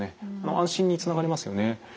安心につながりますよね。